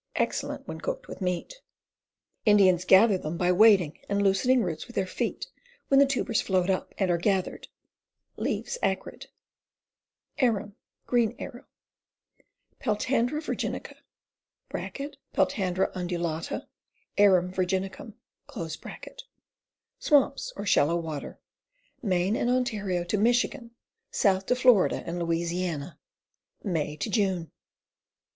Excellent when cooked with meat. Indians gather them by wading and loosen ing roots with their feet, when the tubers float up and are gathered. Leaves acrid. Arum, Green Arrow. Peltandra Virginica (P. undulata, Arum Virginicum) . Swamps or shallow water. Me. and Ont. to Mich., south to Fla. and La. May June.